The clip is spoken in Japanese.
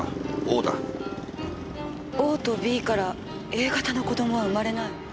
ＯとＢからＡ型の子供は生まれない。